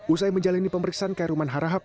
usai menjalani pemeriksaan kairulman harahap